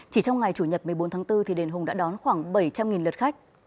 chỉ trong ngày chủ nhật một mươi bốn tháng bốn đền hùng đã đón khoảng bảy trăm linh lượt khách